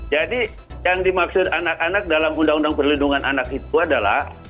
jadi yang dimaksud anak anak dalam undang undang perlindungan anak itu adalah